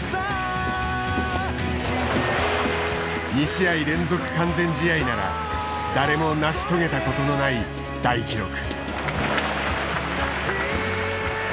２試合連続完全試合なら誰も成し遂げたことのない大記録。